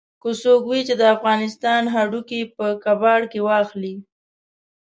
که څوک وي چې د افغانستان هډوکي په کباړ کې واخلي.